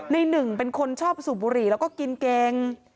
หนึ่งเป็นคนชอบสูบบุหรี่แล้วก็กินเกง